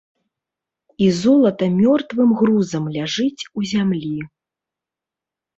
І золата мёртвым грузам ляжыць у зямлі.